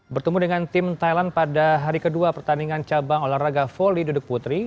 bertemu dengan tim thailand pada hari kedua pertandingan cabang olahraga volley duduk putri